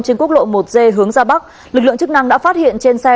trên quốc lộ một d hướng ra bắc lực lượng chức năng đã phát hiện trên xe